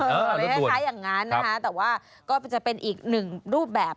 อะไรคล้ายอย่างนั้นนะคะแต่ว่าก็จะเป็นอีกหนึ่งรูปแบบ